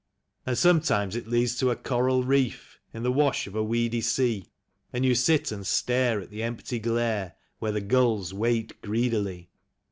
And sometimes it leads to a coral reef in the wash of a weedy sea. And you sit and stare at the empty glare where the gulls wait greedily.